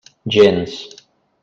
Gens.